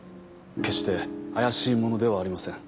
決して怪しいものではありません。